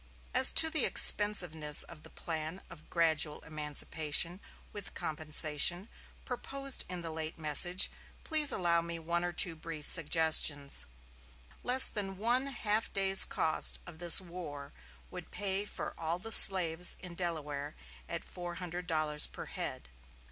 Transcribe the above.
"As to the expensiveness of the plan of gradual emancipation, with compensation, proposed in the late message, please allow me one or two brief suggestions. Less than one half day's cost of this war would pay for all the slaves in Delaware at four hundred dollars per head....